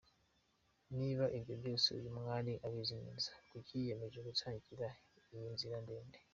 Niba ibyo byose uyu mwari abizi neza, kuki yiyemeje gutangira iyi nzira ndende?